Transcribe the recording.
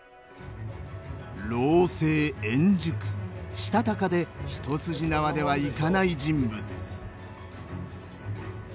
したたかで一筋縄ではいかない人物。